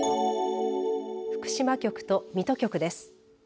福島局と水戸局です。